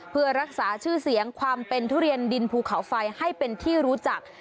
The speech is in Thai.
เพื่อรักษาชื่อเสียงความเป็นทุเรียนดินภูเขาไฟให้เป็นที่รู้จัก